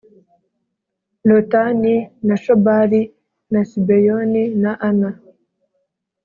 Lotani na Shobali na Sibeyoni na Ana